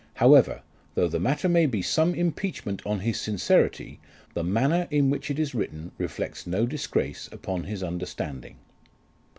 However, though the matter may be some impeachment on his sincerity, the manner in which it is written reflects no disgrace upon his understanding.